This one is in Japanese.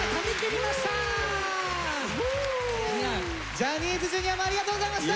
ジャニーズＪｒ．もありがとうございました！